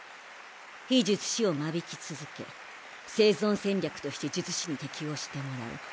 非術師を間引き続け生存戦略として術師に適応してもらう。